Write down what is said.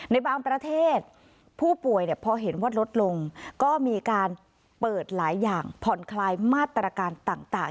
ในบางประเทศผู้ป่วยพอเห็นว่าลดลงก็มีการเปิดหลายอย่างผ่อนคลายมาตรการต่าง